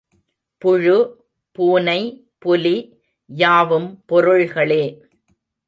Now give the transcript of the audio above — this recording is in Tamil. புழு, பூனை, புலி யாவும் பொருள்களே.